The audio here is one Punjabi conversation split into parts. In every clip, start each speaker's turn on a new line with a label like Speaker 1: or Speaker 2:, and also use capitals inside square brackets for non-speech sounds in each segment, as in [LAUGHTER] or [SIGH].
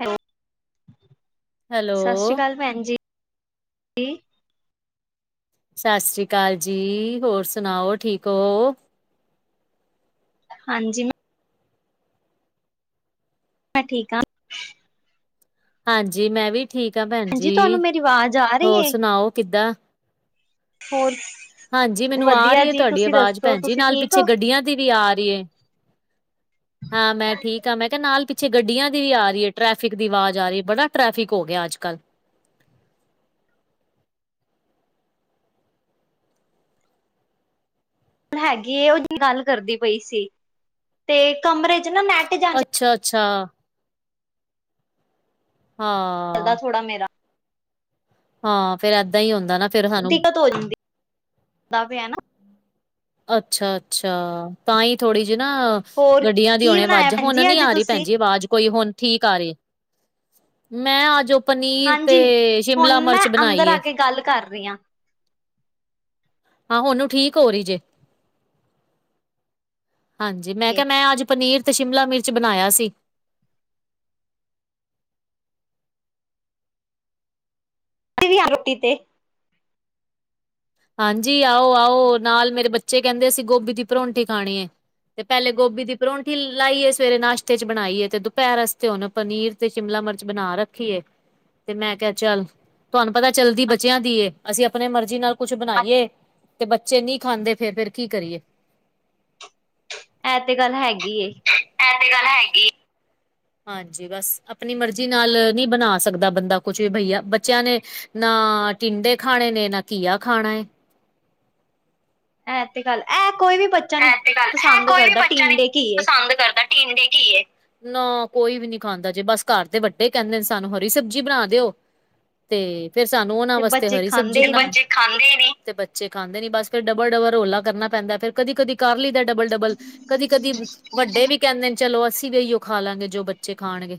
Speaker 1: ਹੈਲੋ ਸਤਿ ਸ੍ਰੀ
Speaker 2: ਹੈਲੋ,
Speaker 1: ਅਕਾਲ ਭੈਣ ਜੀ।
Speaker 2: ਸਤਿ ਸ੍ਰੀ ਅਕਾਲ ਜੀ ਹੋਰ ਸੁਣਾਓ ਠੀਕ ਹੋ?
Speaker 1: ਹਾਂਜੀ। ਮੈਂ ਠੀਕ ਆ।
Speaker 2: ਹਾਂਜੀ ਮੈਂ ਵੀ ਠੀਕ ਹਾਂ ਭੈਣ
Speaker 1: ਭੈਣਜੀ
Speaker 2: ਜੀ
Speaker 1: ਤੁਹਾਨੂੰ ਮੇਰੀ ਆਵਾਜ਼ ਆ ਰਹੀ
Speaker 2: ਹੋਰ
Speaker 1: ਹੈ
Speaker 2: ਸੁਣਾਓ ਕਿੱਦਾਂ
Speaker 1: ਹੋਰ
Speaker 2: ਹਾਂਜੀ ਮੈਨੂੰ ਆ
Speaker 1: ਵਧੀਆ
Speaker 2: ਰਹੀ ਹੈ
Speaker 1: ਜੀ
Speaker 2: ਤੁਹਾਡੀ
Speaker 1: ਤੁਸੀਂ
Speaker 2: ਆਵਾਜ਼
Speaker 1: ਦੱਸੋ
Speaker 2: ਭੈਣ ਜੀ
Speaker 1: ਤੁਸੀਂ
Speaker 2: ਨਾਲ
Speaker 1: ਠੀਕ
Speaker 2: ਪਿੱਛੇ
Speaker 1: ਹੋ
Speaker 2: ਗੱਡੀਆਂ ਦੀ ਵੀ ਆ ਰਹੀ ਹੈ। ਹਾਂ ਮੈਂ ਠੀਕ ਹਾਂ ਮੈਂ ਕਿਹਾ ਨਾਲ ਪਿੱਛੇ ਗੱਡੀਆਂ ਦੀ ਵੀ ਆ ਰਹੀ ਹੈ ਟ੍ਰੈਫਿਕ ਦੀ ਆਵਾਜ਼ ਆ ਰਹੀ ਹੈ ਬੜਾ ਟ੍ਰੈਫਿਕ ਹੋ ਗਿਆ ਅੱਜ ਕੱਲ੍ਹ
Speaker 1: ਹੈਗੀ ਉਹ ਜ ਗੱਲ ਕਰਦੀ ਪਈ ਸੀ ਤੇ ਕਮਰੇ ਚ ਨਾ ਨੈਟ ਜਾ
Speaker 2: ਅੱਛਾ-ਅੱਛਾ। ਹਾਂ
Speaker 1: ਚੱਲ ਥੋੜਾ ਮੇਰਾ
Speaker 2: ਹਾਂ ਫੇਰ ਏਦਾਂ ਹੀ ਹੁੰਦਾ ਨਾ ਫੇਰ ਸਾਨੂੰ
Speaker 1: ਦਿੱਕਤ ਹੋ ਜਾਂਦੀ ਦਾ ਵੀ ਹੈ ਨਾ
Speaker 2: ਅੱਛਾ ਅੱਛਾ ਤਾਂ ਹੀ ਥੋੜ੍ਹੀ ਜਿਹੀ ਨਾ
Speaker 1: ਹੋਰ
Speaker 2: ਗੱਡੀਆਂ ਦੀ
Speaker 1: ਕੀ
Speaker 2: ਹੁਣੇ
Speaker 1: ਬਣਾਇਆ
Speaker 2: ਆਵਾਜ਼
Speaker 1: ਭੈਣ
Speaker 2: ਹੁਣ
Speaker 1: ਜੀ
Speaker 2: ਨੀ
Speaker 1: ਅੱਜ
Speaker 2: ਆ ਰਹੀ
Speaker 1: ਤੁਸੀਂ
Speaker 2: ਭੈਣਜੀ ਆਵਾਜ਼ ਕੋਈ ਹੁਣ ਠੀਕ ਆ ਰੀ ਮੈਂ ਅਜ ਓ ਪਨੀਰ ਤੇ
Speaker 1: ਹਾਂਜੀ ਹੁਣ
Speaker 2: ਸ਼ਿਮਲਾ
Speaker 1: ਮੈਂ
Speaker 2: ਮਿਰਚ ਬਣਾਈ
Speaker 1: ਅੰਦਰ ਆ
Speaker 2: ਏ।
Speaker 1: ਕੇ ਗੱਲ ਕਰ ਰੀ ਆਂ
Speaker 2: ਹਾਂ ਹੁਣ ਆਈ ਠੀਕ ਹੋਰੀ ਜੇ ਹਾਂਜੀ ਮੈਂ ਕਿਆ ਮੈਂ ਅੱਜ ਪਨੀਰ ਤੇ ਸ਼ਿਮਲਾ ਮਿਰਚ ਬਣਾਇਆ ਸੀ।
Speaker 1: ਤੁਸੀਂ ਵੀ ਆਣਾ ਰੋਟੀ ਤੇ।
Speaker 2: ਹਾਂਜੀ, ਆਓ-ਆਓ ਨਾਲ ਮੇਰੇ ਬੱਚੇ ਕੈਂਦੇ, ਅਸੀਂ ਗੋਭੀ ਦੀ ਪਰੋਂਠੀ ਖਾਣੀ ਏ। ਤੇ ਪੈਲੇ ਗੋਭੀ ਦੀ ਪਰੋਂਂਠੀ ਲਾਈਏ, ਸਵੇਰੇ ਨਾਸ਼ਤੇ ਚ ਬਣਾਈਏ। ਤੇ ਦੁਪੈਰ ਵਸਤੇ ਹੁਣ ਪਨੀਰ ਤੇ ਸ਼ਿਮਲਾ ਮਿਰਚ ਬਣਾ ਰੱਖੀ ਏ। ਤੇ ਮੈਂ ਕਿਆ ਚੱਲ। ਤੁਹਾਨੂੰ ਪਤਾ ਚੱਲਦੀ ਬੱਚਿਆਂ ਦੀ ਏ। ਅਸੀਂ ਆਪਣੇ ਮਰਜ਼ੀ ਨਾਲ ਕੁਛ ਬਣਾਈਏ ਤੇ, ਬੱਚੇ ਨੀ ਖਾਂਦੇ ਫੇਰ। ਫੇਰ ਕੀ ਕਰੀਏ।
Speaker 1: ਐ ਤੇ ਗੱਲ ਹੈਗੀ ਏ।
Speaker 2: ਐ ਤੇ ਗੱਲ ਹੈਗੀ। ਹਾਂਜੀ ਬਸ, ਆਪਣੀ ਮਰਜ਼ੀ ਨਾਲ ਨੀ ਬਣਾ ਸਕਦਾ ਬੰਦਾ ਕੁੱਛ। ਵੀ ਬਈਆ ਬੱਚਿਆਂ ਨੇ ਨਾ ਟਿੰਡੇ ਖਾਣੇ ਨੇ, ਨਾ ਘੀਆ ਖਾਣਾ ਏ।
Speaker 1: ਐਂ ਤੇ ਗੱਲ, ਐ ਕੋਈ ਵੀ ਬੱਚਾ ਨੀ
Speaker 2: ਆ
Speaker 1: ਪਸੰਦ
Speaker 2: ਕੋਈ ਵੀ
Speaker 1: ਕਰਦਾ
Speaker 2: ਬੱਚਾ ਨੀ
Speaker 1: ਟੀਂਡੇ ਘੀਏ
Speaker 2: ਪਸੰਦ ਕਰਦਾ ਟਿੰਂਡੇ, ਘਿਐ। ਨਾ ਕੋਈ ਵੀ ਨੀ ਖਾਂਦਾ। ਜੇ ਬਸ ਘਰ ਦੇ ਵੱਡੇ ਕੈਂਦੇ ਨੇ ਸਾਨੂੰ ਹਰੀ ਸਬਜ਼ੀ ਬਣਾ ਦਿਓ। ਤੇ ਫੇਰ ਸਾਨੂੰ ਓਨਾਂ
Speaker 1: ਤੇ
Speaker 2: ਵਾਸਤੇ
Speaker 1: ਬੱਚੇ
Speaker 2: ਹਰੀ ਸਬਜ਼ੀ
Speaker 1: ਖਾਂਦੇ ਹੀ
Speaker 2: ਬਣਾ
Speaker 1: ਨੀ
Speaker 2: [UNINTELLIGIBLE] ਖਾਂਦੇ ਨੀ ਤੇ ਬੱਚੇ ਖਾਂਦੇ ਨੀ, ਬਸ ਫੇਰ ਡਬਲ- ਡਬਲ ਰੌਲਾ ਕਰਨਾ ਪੈਂਦੈ ਫੇਰ ਕਦੀ-ਕਦੀ ਕਰਲੀ ਦਾ ਐ। ਡਬਲ-ਡਬਲ, ਕਦੀ-ਕਦੀ ਵੱਡੇ ਵੀ ਕੈਂਦੇ ਨੇ, ਚਲੋ ਅਸੀਂ ਵੀ ਏਈਓ ਖਾ ਲਾਂਗੇ। ਜੋ ਬੱਚੇ ਖਾਣਗੇ।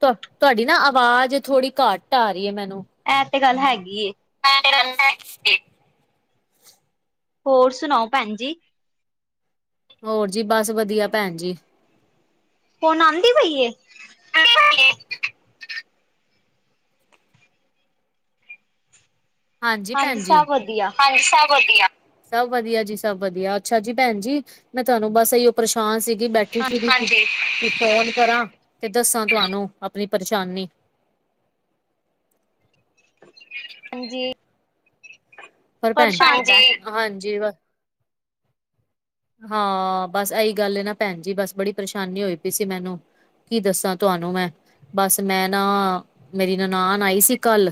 Speaker 2: ਤ ਤੁਹਾਡੀ ਨਾ ਆਵਾਜ਼, ਥੋੜੀ ਘੱਟ ਆਰੀ ਐ ਮੈਨੂੰ।
Speaker 1: ਐ ਤੇ ਗੱਲ ਹੈਗੀ ਏ।
Speaker 2: [UNINTELLIGIBLE]
Speaker 1: ਹੋਰ ਸੁਣਾਓ ਭੈਣ ਜੀ?
Speaker 2: ਹੋਰ ਜੀ ਬਸ ਵਧੀਆ ਭੈਣ ਜੀ।
Speaker 1: ਹੁਣ ਆਂਦੀ ਪਈ ਏ।
Speaker 2: [UNINTELLIGIBLE] ਹਾਂਜੀ ਭੈਣ ਜੀ।
Speaker 1: ਸਭ ਵਧੀਆ
Speaker 2: ਸਭ ਵਧੀਆ। ਸਭ ਵਧੀਆ ਜੀ, ਸਭ ਵਧੀਆ ਅੱਛਾ ਜੀ ਭੈਣ ਜੀ। ਮੈਂ ਤੁਹਾਨੂੰ ਬਸ ਏਈਓ ਪਰੇਸ਼ਾਨ ਸੀ। ਜੀ ਬੈਠੀ [UNINTELLIGIBLE] ਕੀ ਫੋਨ ਕਰਾਂ ਤੇ ਦੱਸਾਂ ਤੁਹਾਨੂੰ ਆਪਣੀ ਪਰੇਸ਼ਾਨੀ।
Speaker 1: ਹਾਂਜੀ।
Speaker 2: ਔਰ ਭੈਣ
Speaker 1: ਪਰੇਸ਼ਾਨ
Speaker 2: ਹਾਂਜੀ,
Speaker 1: ਦਾ
Speaker 2: ਹਾਂਜੀ ਬ ਹਾਂ ਬਸ ਐਈ ਗੱਲ ਨਾ ਭੈਣ ਜੀ। ਬਸ ਬੜੀ ਪਰੇਸ਼ਾਨੀ ਹੋਈ ਪਈ ਸੀ ਮੈਨੂੰ। ਕੀ ਦੱਸਾਂ ਤੁਹਾਨੂੰ ਮੈਂ ਬਸ ਮੈਂ ਨਾ, ਮੇਰੀ ਨਨਾਨ ਆਈ ਸੀ। ਕੱਲ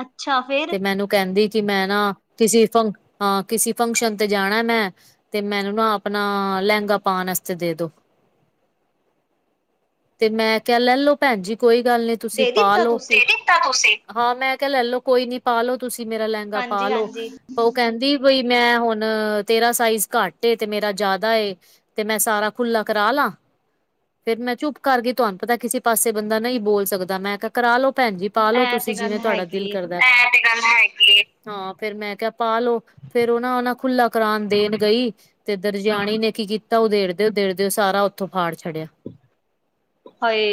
Speaker 1: ਅੱਛਾ ਫੇ
Speaker 2: ਤੇ ਮੈਨੂੰ ਕੈਂਦੀ ਕੀ ਮੈਂ ਨਾ ਕਿਸੇ ਫੰਕ, ਹਾਂ ਕਿਸੇ ਫੰਕਸ਼ਨ ਤੇ ਜਾਣਾ ਮੈਂ ਤੇ ਮੈਨੂੰ ਨਾ ਆਪਣਾ, ਲੈਂਗਾ ਪਾਣ ਵਾਸਤੇ ਦੇ ਦੋ। ਤੇ ਮੈਂ ਕਿਆ ਲੈ ਲੋ ਭੈਣ ਜੀ, ਕੋਈ ਗੱਲ ਨੀ ਤੁਸੀਂ
Speaker 1: ਦੇ
Speaker 2: ਪਾ
Speaker 1: ਦਿੱਤਾ
Speaker 2: ਲੋੋ।
Speaker 1: ਤੁਸੀਂ
Speaker 2: ਦੇਤਾ ਤੁਸੀ, ਹਾਂ ਮੈਂ ਕਿਆ ਲੈਲੋ ਕੋਈ ਨੀ ਪਾ ਲੋ। ਤੁਸੀਂ ਮੇਰਾ ਲੈਂਗਾ ਪਾ
Speaker 1: ਹਾਂਜੀ
Speaker 2: ਲੋ।
Speaker 1: ਹਾਂਜੀ
Speaker 2: ਕੈਂਦੀ ਬਈ ਮੈਂ ਹੁਣ, ਤੇਰਾ ਸਾਈਜ਼ ਘੱਟ ਏ ਤੇ ਮੇਰਾ ਜਾਦਾ ਏ। ਤੇ ਮੈਂ ਸਾਰਾ ਖੁੱਲਾ ਕਰਾ ਲਾਂ। ਫੇਰ ਮੈਂ ਚੁੱਪ ਕਰਗੀ, ਤੁਹਾਨੂੰ ਪਤਾ ਕਿਸੇ ਪਾਸੇ ਬੰਦਾ ਨਈ ਬੋਲ ਸਕਦਾ। ਮੈਂ ਕਾ ਕਰਾ ਲੋ ਭੈਣ ਜੀ ਪਾਲੋ
Speaker 1: ਇਹ ਤੇ
Speaker 2: ਤੁਸੀਂ,
Speaker 1: ਗੱਲ
Speaker 2: ਜਿਵੇਂ ਤੁਹਾਡਾ ਦਿਲ
Speaker 1: ਹੈਗੀ ਏ।
Speaker 2: ਕਰਦਾ ਏ। ਹਾਂ, ਫੇਰ ਮੈਂ ਕਿਆ ਪਾ ਲੋੋ। ਫੇਰ ਓ ਨਾ- ਓ ਨਾ ਖੁੱਲਾ ਕਰਾਣ ਦੇਣ ਗਈ। ਤੇ ਦਰਜਿਆਣੀ ਨੇ ਕੀ ਕੀਤਾ। ਓ ਦੇੜ ਦੇ, ਓਦੇੜ ਦਿਓ ਸਾਰਾ ਉੱਥੋਂ ਫਾੜ ਛੱਡਿਆ।
Speaker 1: ਹਾਏ।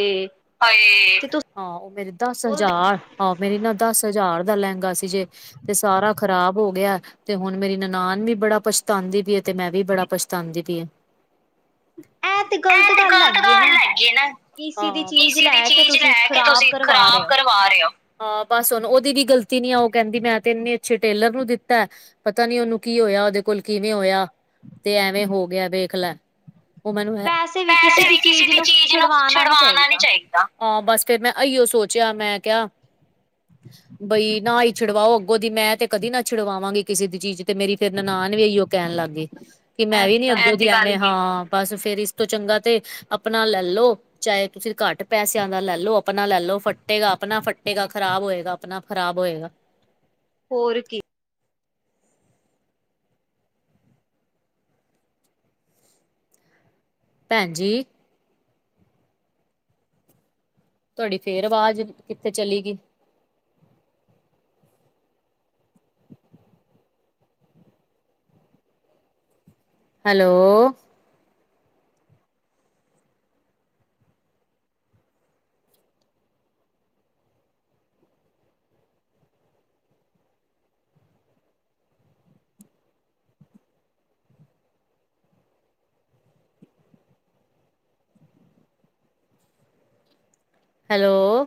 Speaker 2: ਹਾਏ
Speaker 1: ਤੇ ਤੁਸੀਂ
Speaker 2: ਹਾਂ, ਓ ਮੇਰੇ ਦਸ
Speaker 1: ਬੋਲਦੇ
Speaker 2: ਹਜ਼ਾਰ ਆ, ਮੇਰੀ ਨਾ ਦਸ ਹਜ਼ਾਰ ਦਾ ਲਹਿੰਗਾ ਸੀ ਜੇ, ਤੇ ਸਾਰਾ ਖ਼ਰਾਬ ਹੋ ਗਿਆ। ਤੇ ਹੁਣ ਮੇਰੀ ਨਨਾਨ ਵੀ ਬੜਾ ਪਛਤਾਉਂਦੀ ਪਈ ਆ, ਤੇ ਮੈਂ ਵੀ ਬੜਾ ਪਛਤਾਉਂਦੀ ਪਈ ਆ। [INAUDIBLE]
Speaker 1: ਏ ਤੇ ਗ਼ਲਤ ਗੱਲ ਹੈਗੀ ਹੈ, ਨਾ।
Speaker 2: ਜਿਹੜਾ,
Speaker 1: ਕਿਸੇ ਦੀ ਚੀਜ਼
Speaker 2: ਕਿਸੀ ਦੀ
Speaker 1: ਲੈ ਕੇ
Speaker 2: ਚੀਜ਼
Speaker 1: ਤੁਸੀਂ
Speaker 2: ਲੈ ਕੇ
Speaker 1: ਖ਼ਰਾਬ
Speaker 2: ਤੁਸੀਂ,
Speaker 1: ਕਰਵਾ ਰਹੇ
Speaker 2: ਖ਼ਰਾਬ
Speaker 1: ਹੋ
Speaker 2: ਕਰਵਾ ਰਹੇ ਹੋ। ਬਸ ਹੁਣ, ਉਹਦੀ ਵੀ ਗ਼ਲਤੀ ਨੀ ਆ ਉਹ ਕਹਿੰਦੀ ਮੈਂ ਤੇ ਇੰਨੇ ਅੱਛੇ ਟੇਲਰ ਨੂੰ ਦਿੱਤਾ ਏ। ਪਤਾ ਨੀ ਉਹਨੂੰ ਕੀ ਹੋਇਆ, ਉਹਦੇ ਕੋਲ ਕਿਵੇਂ ਹੋਇਆ, ਤੇ ਐਵੇਂ ਹੋ ਗਿਆ ਵੇਖ ਲੈ। ਉਹ ਮੈਨੂੰ ਹੈ, ਵੈਸੇ ਵੀ ਕਿਸੇ ਦੀ ਚੀਜ਼ ਨੂੰ ਛੁਡਵਾਣਾ ਨੀ ਚਾਹੀਦਾ। ਆ! ਬਸ ਫਿਰ ਮੈਂ ਅਈਓ ਸੋਚਿਆ ਮੈਂ ਕਿਹਾ, ਬਈ! ਨਾ ਹੀ ਛੁਡਵਾਓ, ਅੱਗੋਂ ਦੀ ਮੈਂ ਤੇ ਕਦੀ ਨਾ ਛਡਵਾਵਾਂਗੀ। ਕਿਸੇ ਦੀ ਚੀਜ਼ ਤੇ, ਮੇਰੀ ਤੇ ਫਿਰ ਨਨਾਨ ਵੀ ਇਹੀਓ ਕਹਿਣ ਲੱਗ ਗਈ, ਕਿ ਮੈਂ
Speaker 1: ਇਹ
Speaker 2: ਵੀ
Speaker 1: ਤੇ
Speaker 2: ਨੀ
Speaker 1: ਗੱਲ
Speaker 2: ਅੱਗੋਂ।
Speaker 1: ਏ
Speaker 2: ਹਾਂ! ਬਸ ਫੇਰ ਇਸ ਤੋਂ ਚੰਗਾ ਤੇ, ਆਪਣਾ ਲੈ ਲੋ, ਚਾਹੇ ਤੁਸੀਂ ਘੱਟ ਪੈਸਿਆਂ ਦਾ ਲੈ ਲੋ, ਆਪਣਾ ਲੈ ਲੋ ਫੱਟੇਗਾ ਤੇ ਆਪਣਾ ਫੱਟੇਗਾ। ਖ਼ਰਾਬ ਹੋਏਗਾ, ਆਪਣਾ ਖ਼ਰਾਬ ਹੋਏਗਾ।
Speaker 1: ਹੋਰ ਕਿ,
Speaker 2: ਭੈਣ। ਜੀ ਤੁਹਾਡੀ ਫੇਰ ਆਵਾਜ਼ ਕਿੱਥੇ ਚਲੀ ਗਈ। ਹੈਲੋ! ਹੈਲੋ! ! !